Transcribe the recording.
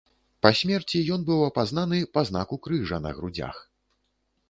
Па смерці ён быў апазнаны па знаку крыжа на грудзях.